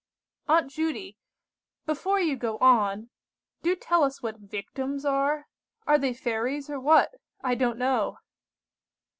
"Aunt Judy, before you go on, do tell us what victims are? Are they fairies, or what? I don't know."